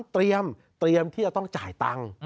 เตรียมที่จะต้องจ่ายตังค์